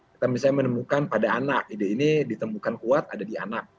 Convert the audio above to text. kita misalnya menemukan pada anak ide ini ditemukan kuat ada di anak